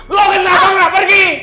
lo kenapa gak pergi